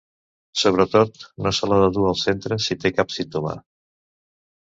Sobretot, no se l’ha de dur al centre si té cap símptoma.